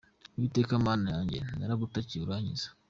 Uwiteka Mana yanjye, Naragutakiye urankiza.